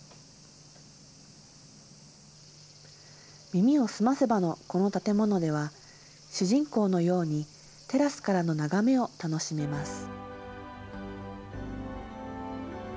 耳をすませばのこの建物では、主人公のように、テラスからの眺めを楽しめます。